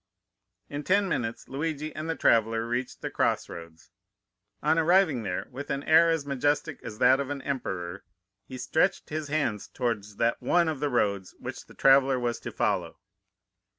In ten minutes Luigi and the traveller reached the cross roads. On arriving there, with an air as majestic as that of an emperor, he stretched his hand towards that one of the roads which the traveller was to follow.